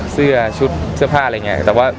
เสื้อชุดเสื้อผ้าอะไรเงี้ย